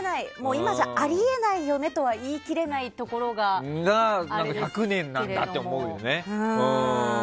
今じゃあり得ないよねとは言い切れないところが１００年なんだって思うよね。